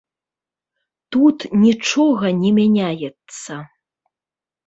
Тут нічога не мяняецца.